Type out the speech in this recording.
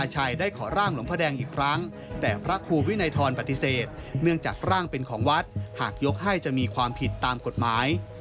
ให้จะมีความผิดตามกฎหมาย